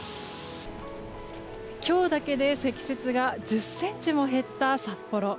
今日だけで積雪が１０ｃｍも減った札幌。